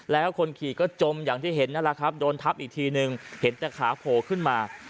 แล้วคนขี่ก็จมอย่างที่เห็นนั่นแหละครับโดนทับอีกทีนึงเห็นแต่ขาโผล่ขึ้นมา